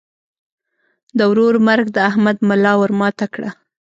د ورور مرګ د احمد ملا ور ماته کړه.